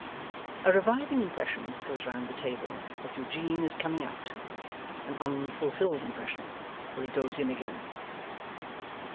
A reviving impression goes round the table that Eugene is coming out. An unfulfilled impression, for he goes in again.